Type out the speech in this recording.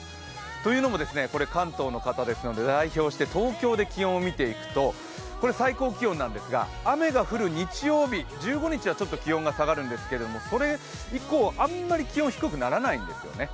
というのも関東の方ですので代表して東京で気温を見ていくとこれ、最高気温なんですが雨が降る日曜日、１５日はちょっと気温が下がるんですがそれ以降、あんまり気温低くならないんですよね。